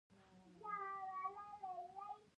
هذا مسجد، هذا خانه